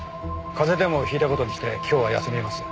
風邪でも引いた事にして今日は休みます。